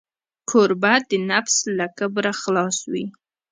کوربه د نفس له کبره خلاص وي.